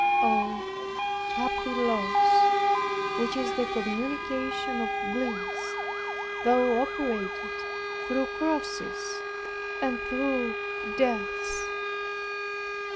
Oh, happy loss, which is the consummation of bliss, though operated through crosses and through deaths!